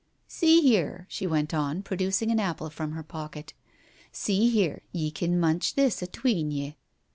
"See here," she went on, producing an apple from her pocket. "See here, ye can munch this atween ye."